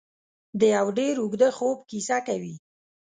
د یو ډېر اوږده خوب کیسه کوي.